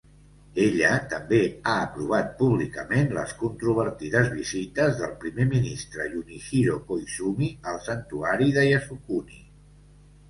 Ella també ha aprovat públicament les controvertides visites del primer ministre Junichiro Koizumi al santuari de Yasukuni.